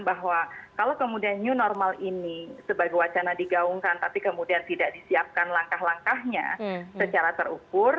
bahwa kalau kemudian new normal ini sebagai wacana digaungkan tapi kemudian tidak disiapkan langkah langkahnya secara terukur